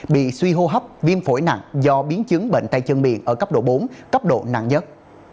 bị suy hô hấp viêm phổi nặng do biến chứng bệnh tay chân miệng ở cấp độ bốn cấp độ nặng nhất